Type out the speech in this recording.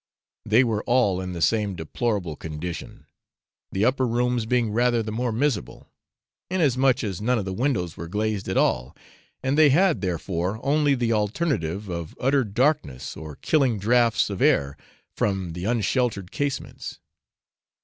They were all in the same deplorable condition, the upper rooms being rather the more miserable, inasmuch as none of the windows were glazed at all, and they had, therefore, only the alternative of utter darkness, or killing draughts of air, from the unsheltered casements.